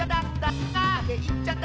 いっちゃって。